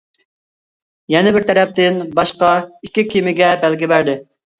يەنە بىر تەرەپتىن، باشقا ئىككى كېمىگە بەلگە بەردى.